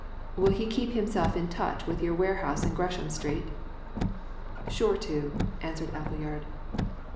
Will he keep himself in touch with your warehouse in Gresham Street?" "Sure to," answered Appleyard.